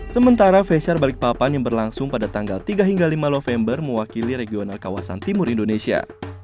sementara fashir balikpapan yang berlangsung pada tanggal tiga hingga lima november mewakili regional kawasan timur indonesia